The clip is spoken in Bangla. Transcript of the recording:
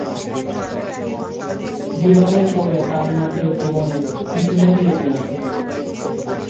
বিবাহের পরে তাঁর নাচের জীবনে কিছুটা বিরতি আসে।